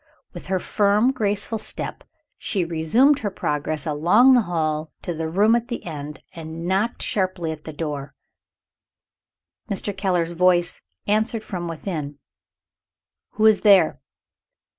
With her firm graceful step, she resumed her progress along the hall to the room at the end, and knocked sharply at the door. Mr. Keller's voice answered from within, "Who is there?"